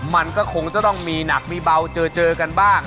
มันก็คงจะต้องมีหนักมีเบาเจอกันบ้าง